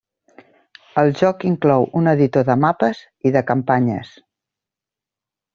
El joc inclou un editor de mapes i de campanyes.